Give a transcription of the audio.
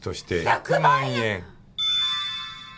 １００万円！